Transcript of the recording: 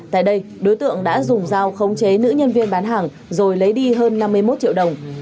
tại đây đối tượng đã dùng dao khống chế nữ nhân viên bán hàng rồi lấy đi hơn năm mươi một triệu đồng